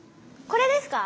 「これ」ですか？